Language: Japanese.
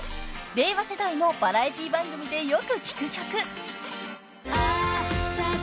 ［令和世代の「バラエティ番組でよく聴く曲」］